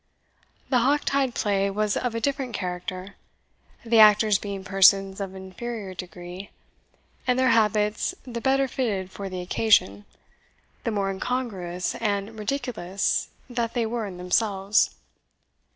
The Hocktide play was of a different character, the actors being persons of inferior degree, and their habits the better fitted for the occasion, the more incongruous and ridiculous that they were in themselves.